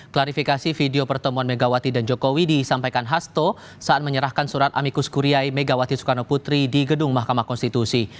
klarifikasi video pertemuan megawati dan jokowi disampaikan hasto saat menyerahkan surat amikus kuriai megawati soekarno putri di gedung mahkamah konstitusi